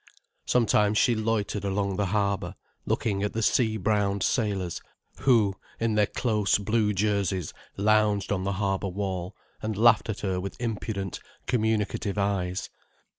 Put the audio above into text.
Sometimes she loitered along the harbour, looking at the sea browned sailors, who, in their close blue jerseys, lounged on the harbour wall, and laughed at her with impudent, communicative eyes.